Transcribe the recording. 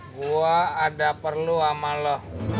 gue ada perlu sama lo